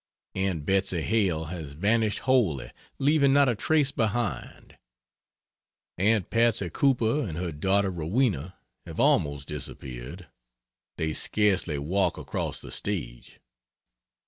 Aunt Betsy Hale has vanished wholly, leaving not a trace behind; aunt Patsy Cooper and her daughter Rowena have almost disappeared they scarcely walk across the stage.